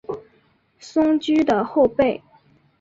松驹的后辈。